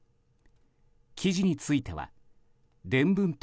記事については伝聞等